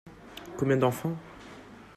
Combien d’enfants ?